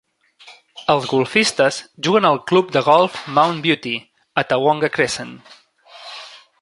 Els golfistes juguen al Club de golf Mount Beauty a Tawonga Crescent.